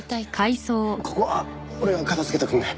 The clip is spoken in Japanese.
ここは俺が片付けておくんで！